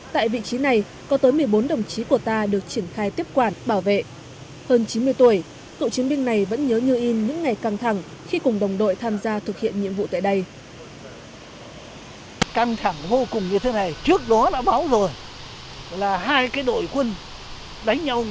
tại vị trí này có tới một mươi bốn đồng chí của ta được triển khai tiếp quản bảo vệ hơn chín mươi tuổi cựu chiến binh này vẫn nhớ như yên những ngày căng thẳng khi cùng đồng đội tham gia thực hiện nhiệm vụ tại đây